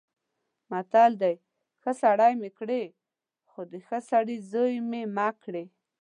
متل دی: ښه سړی مې کړې خو د ښه سړي زوی مې مه کړې.